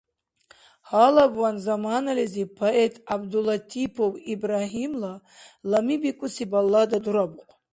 Гьалабван "Заманализиб" поэт Гӏябдуллатипов Ибрагьимла "Лами" бикӏуси баллада дурабухъун.